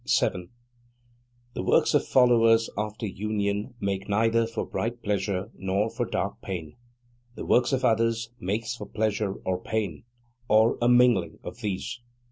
7. The works of followers after Union make neither for bright pleasure nor for dark pain The works of others make for pleasure or pain, or a mingling of these.